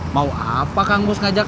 mau apa kang gus ngajak